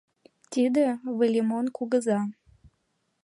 Тиде — Выльымон кугыза!